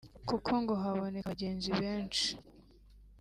kuko ngo haboneka abagenzi benshi